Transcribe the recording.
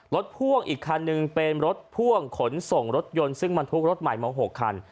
พ่วงอีกคันหนึ่งเป็นรถพ่วงขนส่งรถยนต์ซึ่งบรรทุกรถใหม่มา๖คัน